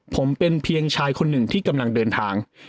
ผมเป็นเพียงชายคนหนึ่งที่กำลังเดินทาง